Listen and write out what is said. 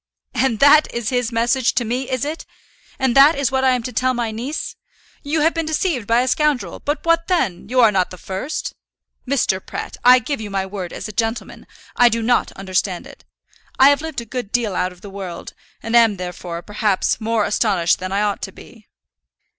"And that is his message to me, is it? And that is what I am to tell my niece? You have been deceived by a scoundrel. But what then? You are not the first! Mr. Pratt, I give you my word as a gentleman, I do not understand it. I have lived a good deal out of the world, and am, therefore, perhaps, more astonished than I ought to be."